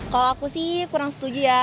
kalau aku sih kurang setuju ya